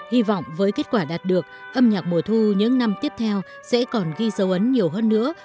hy vọng với kết quả đạt được âm nhạc mùa thu những năm tiếp theo sẽ còn ghi dấu ấn nhiều hơn nữa